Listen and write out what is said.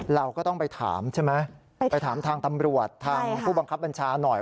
เราก็ต้องไปถามใช่ไหมไปถามทางตำรวจทางผู้บังคับบัญชาหน่อย